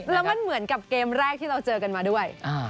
แล้วมันเหมือนกับเกมแรกที่เราเจอกันมาด้วย